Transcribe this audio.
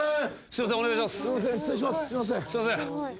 すいません。